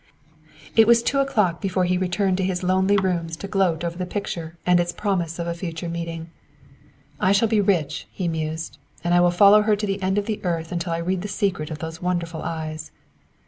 It was two o'clock before he returned to his lonely rooms to gloat over the picture and its promise of the future meeting. "I shall be rich," he mused, "and I will follow her to the end of the earth until I read the secret of those wonderful eyes."